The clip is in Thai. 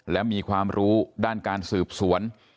และมีความรู้ด้านการสืบสวน